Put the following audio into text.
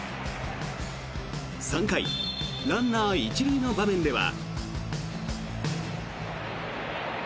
３回、ランナー１塁の場面では。